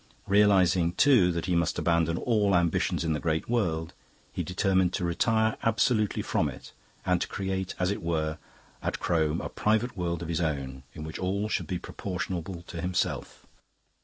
Realising, too, that he must abandon all ambitions in the great world, he determined to retire absolutely from it and to create, as it were, at Crome a private world of his own, in which all should be proportionable to himself.